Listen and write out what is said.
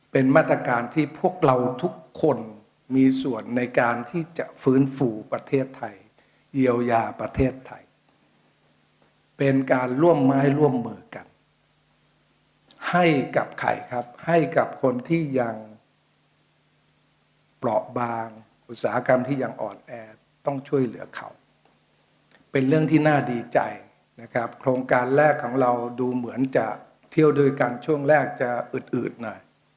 เป็นมาตรการที่พวกเราทุกคนมีส่วนในการที่จะฟื้นฟูประเทศไทยเยียวยาประเทศไทยเป็นการร่วมไม้ร่วมมือกันให้กับใครครับให้กับคนที่ยังเปราะบางอุตสาหกรรมที่ยังอ่อนแอต้องช่วยเหลือเขาเป็นเรื่องที่น่าดีใจนะครับโครงการแรกของเราดูเหมือนจะเที่ยวด้วยกันช่วงแรกจะอืดอืดหน่อย